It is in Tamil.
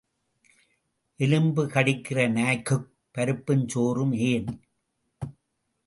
எலும்பு கடிக்கிற நாய்க்குப் பருப்பும் சோறும் ஏன்?